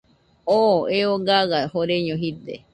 Oo eo gaɨa joreño jide.